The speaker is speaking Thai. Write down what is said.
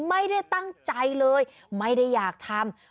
ไม่ได้ตั้งใจเลยไม่ได้อยากทำ